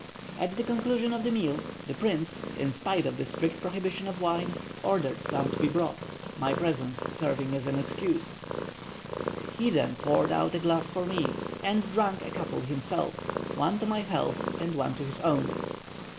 At the conclusion of the meal, the prince, in spite of the strict prohibition of wine, ordered some to be brought (my presence serving as an excuse). He then poured out a glass for me, and drank a couple himself one to my health and one to his own.